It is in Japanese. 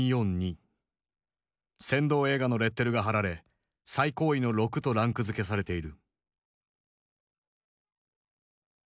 扇動映画のレッテルが貼られ最高位の６とランクづけされている。